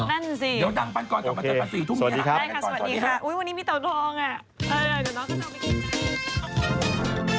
นั่นสิโอเคสวัสดีครับดังพันกรจะมา๔ทุ่ม